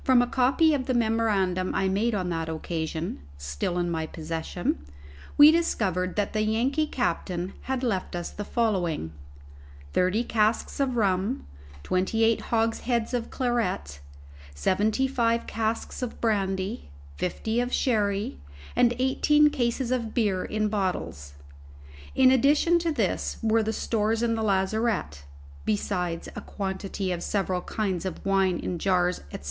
From a copy of the memorandum I made on that occasion (still in my possession), we discovered that the Yankee captain had left us the following: thirty casks of rum, twenty eight hogsheads of claret, seventy five casks of brandy, fifty of sherry, and eighteen cases of beer in bottles. In addition to this were the stores in the lazarette (besides a quantity of several kinds of wine in jars, &c.)